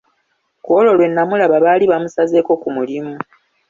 Kwolwo lwe namulaba baali bamusazeeko ki mulimu.